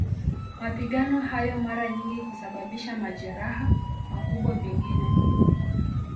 Mapigano hayo mara nyingi husababisha majeraha, makubwa pengine.